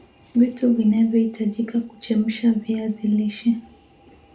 Vitu vinavyohitajika kuchemsha viazi lishe